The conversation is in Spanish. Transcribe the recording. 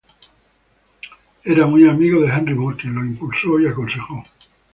Era muy amigos de Henry Moore, quien los impulsó y aconsejó.